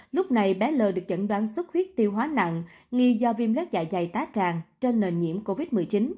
lúc này bé l được chẩn đoán xuất huyết tiêu hóa nặng nghi do viêm lét dạ dày tá tràn trên nền nhiễm covid một mươi chín